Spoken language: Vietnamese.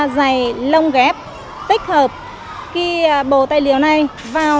giày lông ghép tích hợp cái bồ tài liệu này vào